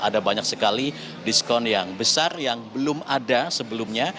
ada banyak sekali diskon yang besar yang belum ada sebelumnya